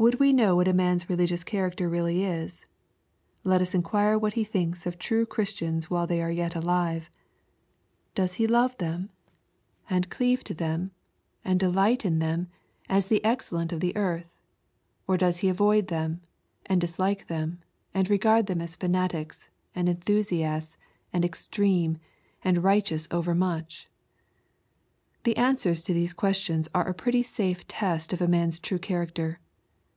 Would we know what a man's religious character really is ? Let us inquire what he thinks of true Chris* tians w^hile they are yet alive. — Does he love them, and LUKS^ CHAP. xr. 53 cleave to them, aMd delight in them, as the excellent of the earth ?— Or does he avoid them, and dislike them, and regard them as fanatics, and enthusiasts, and ex treme, and righteous overmuch ?— The answers to these questions are a pretty safe test of a man's true charac ter.